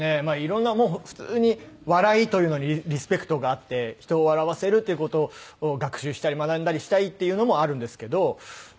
まあ色んな普通に笑いというのにリスペクトがあって人を笑わせるという事を学習したり学んだりしたいっていうのもあるんですけど。